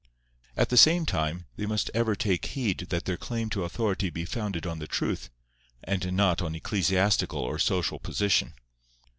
At the same time they must ever take heed that their claim to authority be founded on the truth, and not on ecclesiastical or social position.